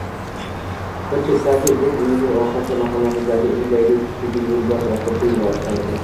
Bir chetdagi go‘ng uyumi orqasida mahallamizning eng daydi kuchugi Yo‘lbars oftobda yotardi